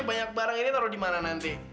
banyak barang ini taruh di mana nanti